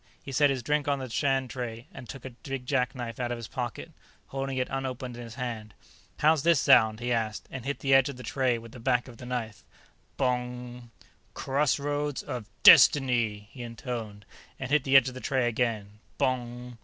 He set his drink on the stand tray and took a big jackknife out of his pocket, holding it unopened in his hand. "How's this sound?" he asked, and hit the edge of the tray with the back of the knife, Bong! "Crossroads of Destiny!" he intoned, and hit the edge of the tray again, Bong!